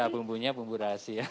enggak bumbunya bumbu rahasia